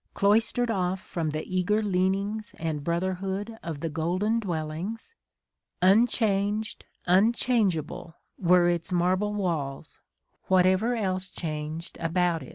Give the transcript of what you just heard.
. cloistered off from the eager leaning and brotherhood of the golden dwellings Unchanged, unchangeable were its marble walls, what ever else changed about it.